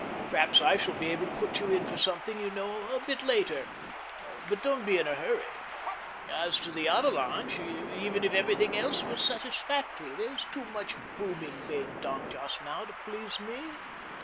Perhaps I shall be able to put you in for something, you know, a bit later; but don't be in a hurry. As to the ' Avalanche,' even if everything else were satisfactory, there's too much ' booming ' being done just now to please me.